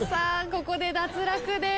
ここで脱落です。